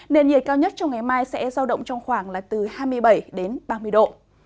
nền nhiệt cao nhất trong ngày mai sẽ giao động trong khoảng là từ hai mươi bảy đến ba mươi độ